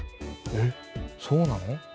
えそうなの？